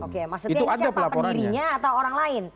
maksudnya siapa pendirinya atau orang lain